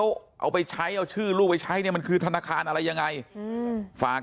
แล้วเอาไปใช้เอาชื่อลูกไปใช้เนี่ยมันคือธนาคารอะไรยังไงฝาก